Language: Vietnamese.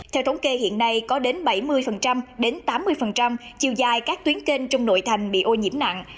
theo thống kê hiện nay có đến bảy mươi đến tám mươi chiều dài các tuyến kênh trong nội thành bị ô nhiễm nặng